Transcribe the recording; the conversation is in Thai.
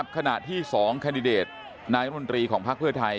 ขณะที่๒คันดิเดตนายการมนตรีของภัครภัฏไทย